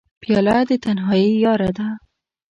پیاله د تنهایۍ یاره ده.